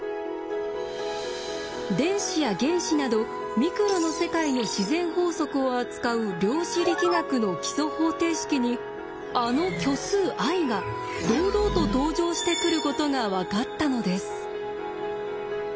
電子や原子などミクロの世界の自然法則を扱う量子力学の基礎方程式にあの虚数ｉが堂々と登場してくることが分かったのです。